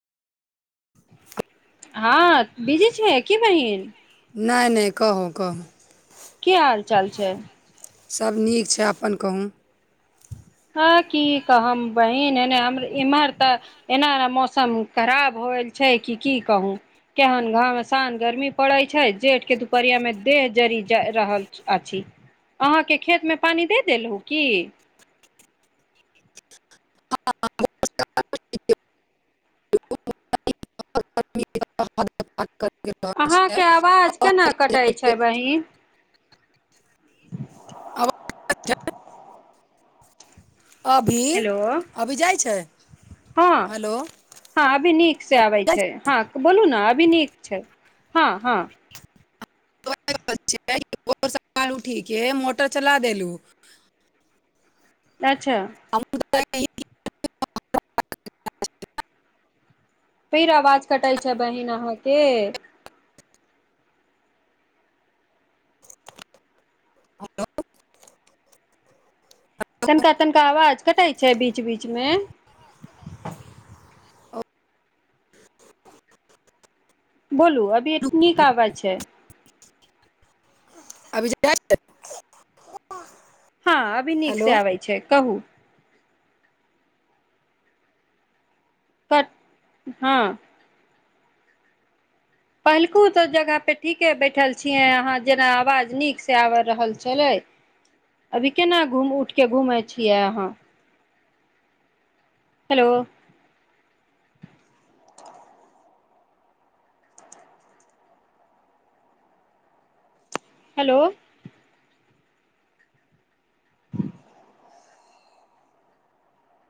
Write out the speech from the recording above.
हँ बीजी छै की बहिन। नहि नहि कहू कहू। की हाल चाल छै। सभ नीक छै अपन कहू। हँ की कहब बहीन एने इम्हर तऽ एना एना मौसम खराब होल छै कि की कहू केहन घमे शान गर्मी पड़ैत छै जेठके दुपहरियामे देह जड़ जा रहल अछि अहाँके खेतमे पानि दे देलहु की। [inaudible] [unintelligible] अहाँके आवाज केना कटाै छै बहीन। [inaudible] हेलो अभी जाइ छै हँ हेलो हँ अभी नीक से आबै अभी छै हँ बोलू ने अ। अभी नीक छै हँ हँ। भोर साल उठ कऽ मोटर चला देलहुँ। अच्छा। [unintelligible] फेर आवाज कटाइ छै बहिन अहाँके। हेलो। तनिका तनिका आवाज कटाइ छै बीच बीचमे। बोलू अभी एत नीक आवाज छै। अभी। हँ अभििनिक से हेलो आबै छै कहू। क हँ। पहिलकू तऽ जगहपे ठीके बैठल छियै अहाँ जेना आवाज नीकसँ आबि रहल छलै अभी केना घूम उठि कऽ घूमै छियै अहाँ। हेलो। हेलो। [inaudible]